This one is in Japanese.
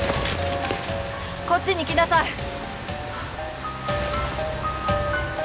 こっちに来なさい。